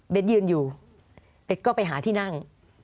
เป็นยืนอยู่เบสก็ไปหาที่นั่ง